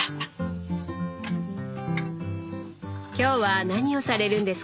今日は何をされるんですか？